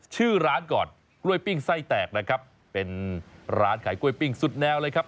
ชื่อร้านก่อนกล้วยปิ้งไส้แตกนะครับเป็นร้านขายกล้วยปิ้งสุดแนวเลยครับ